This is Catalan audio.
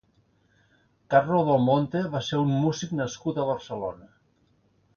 Carlo Del Monte va ser un músic nascut a Barcelona.